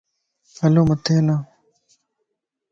ھلو مٿي ھلان.